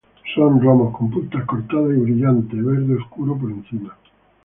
Son romos con puntas cortadas y brillante verde oscuro por encima.